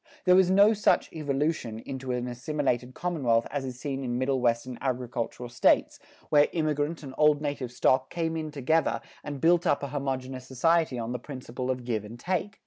There was no such evolution into an assimilated commonwealth as is seen in Middle Western agricultural States, where immigrant and old native stock came in together and built up a homogeneous society on the principle of give and take.